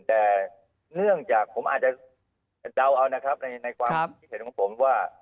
แต่เนื่องจากผมอาจจะเดาเอานะครับในความคิดเห็นของผมว่า